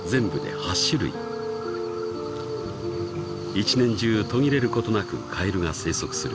［一年中途切れることなくカエルが生息する］